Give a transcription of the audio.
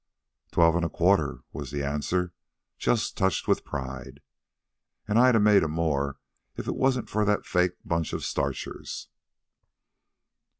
"Twelve and a quarter," was the answer, just touched with pride. "And I'd a made more if it wasn't for that fake bunch of starchers."